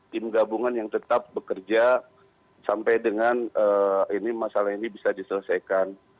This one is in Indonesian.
tim gabungan yang tetap bekerja sampai dengan ini masalah ini bisa diselesaikan